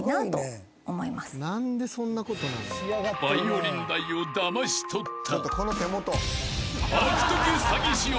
［バイオリン代をだまし取った］